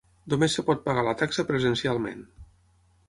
Només es pot pagar la taxa presencialment.